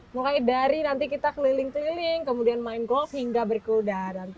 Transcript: mulai dari nanti kita keliling keliling kemudian main golf hingga berkuda